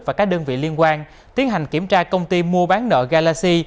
và các đơn vị liên quan tiến hành kiểm tra công ty mua bán nợ galaxy